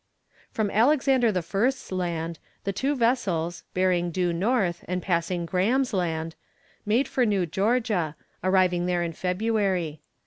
From Alexander I.'s Land the two vessels, bearing due north, and passing Graham's Land, made for New Georgia, arriving there in February.